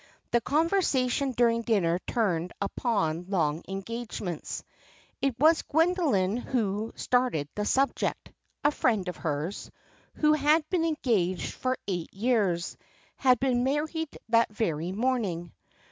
The conversation during dinner turned upon long engagements. It was Gwendoline who started the subject; a friend of hers, who had been engaged for eight years, had been married that very morning.